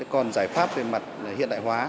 còn giải pháp về mặt hiện đại hóa